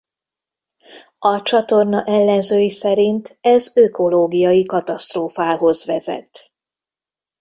A csatorna ellenzői szerint ez ökológiai katasztrófához vezet.